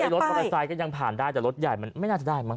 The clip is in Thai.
รถปราสายก็ยังผ่านได้แต่รถใหญ่มันไม่น่าจะได้หรอ